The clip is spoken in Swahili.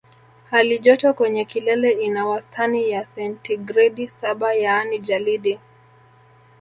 Halijoto kwenye kilele ina wastani ya sentigredi saba yaani jalidi